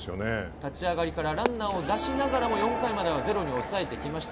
立ち上がりからランナーを出しながらも４回までゼロに抑えてきました。